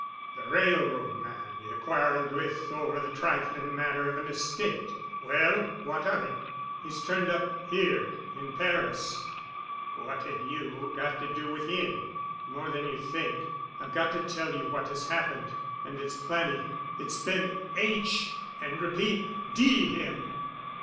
"The railroad man ye quarreled with over the trifling matter of an estate. Well, what of him?" "He's turned up—here—in—Paris." "What have you got to do with him?" "More than you think. I've got to tell you what has happened—and it's plenty. It's been H—— and repeat. D—— him!"